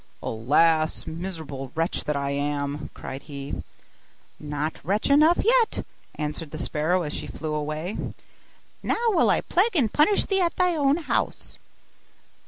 'Alas! miserable wretch that I am!' cried he. 'Not wretch enough yet!' answered the sparrow as she flew away; 'now will I plague and punish thee at thy own house.